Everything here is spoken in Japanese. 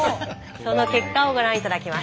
その結果をご覧頂きます。